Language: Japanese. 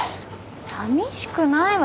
さみしくないわ。